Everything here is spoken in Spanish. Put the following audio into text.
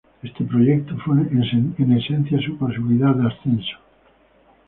Este proyecto fue en esencia su posibilidad de ascenso.